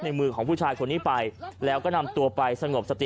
มือของผู้ชายคนนี้ไปแล้วก็นำตัวไปสงบสติ